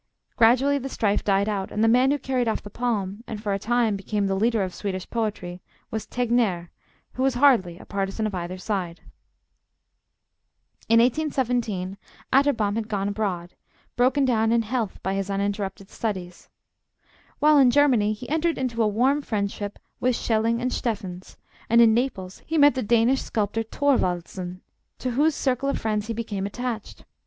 Gradually the strife died out, and the man who carried off the palm, and for a time became the leader of Swedish poetry, was Tegnèr, who was hardly a partisan of either side. In 1817 Atterbom had gone abroad, broken down in health by his uninterrupted studies. While in Germany he entered into a warm friendship with Schelling and Steffens, and in Naples he met the Danish sculptor Thorwaldsen, to whose circle of friends he became attached.